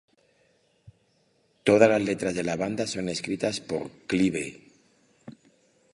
Todas las letras de la banda son escritas por Clive.